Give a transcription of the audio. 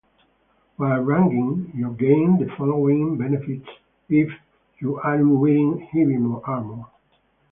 While raging, you gain the following benefits if you aren’t wearing heavy armor.